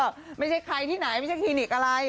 ไม่ใช่ใครที่ไหนไม่ใช่คลินิกอะไร